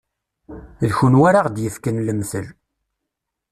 D kunwi ara ɣ-d-yefken lemtel.